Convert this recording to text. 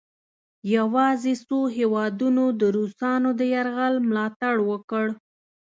یواځې څو هیوادونو د روسانو د یرغل ملا تړ وکړ.